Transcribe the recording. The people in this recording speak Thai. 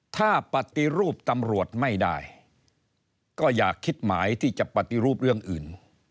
ถ้าปฏิรูปตำรวจไม่ได้ก็อย่าคิดหมายที่จะปฏิรูปเรื่องอื่น